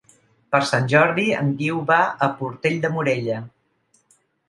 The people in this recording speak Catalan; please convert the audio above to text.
Per Sant Jordi en Guiu va a Portell de Morella.